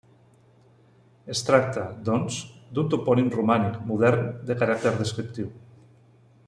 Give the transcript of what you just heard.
Es tracta, doncs, d'un topònim romànic modern de caràcter descriptiu.